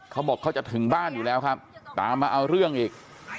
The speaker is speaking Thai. เขาบอกเขาจะถึงบ้านอยู่แล้วครับตามมาเอาเรื่องอีก